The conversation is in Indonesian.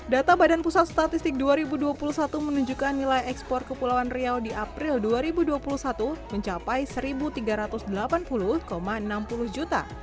data badan pusat statistik dua ribu dua puluh satu menunjukkan nilai ekspor kepulauan riau di april dua ribu dua puluh satu mencapai rp satu tiga ratus delapan puluh enam puluh juta